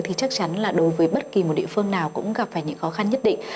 thì chắc chắn là đối với bất kỳ một địa phương nào cũng gặp phải những khó khăn nhất định